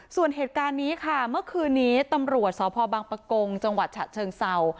ส่วนเหตุการณ์นี้ค่ะเมื่อคืนนี้ตำรวจสพบังปะกงจังหวัดฉะเชิงเศร้า